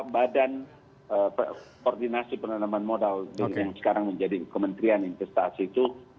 badan koordinasi penanaman modal yang sekarang menjadi kementerian investasi itu